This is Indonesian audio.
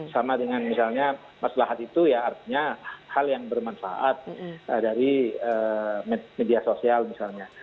sama dengan misalnya maslahat itu ya artinya hal yang bermanfaat dari media sosial misalnya